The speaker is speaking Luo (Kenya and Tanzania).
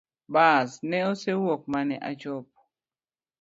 Bas ne osewuok mane achopo